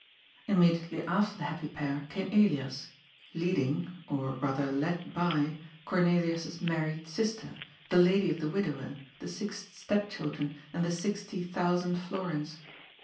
Immediately after the happy pair came Elias, leading — or, rather, led by — Cornelia's married sister, the lady of the widower, the six step children and the sixty thousand florins.